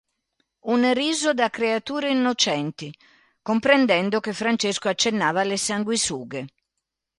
Un riso da creature innocenti, – comprendendo che Francesco accennava alle sanguisughe.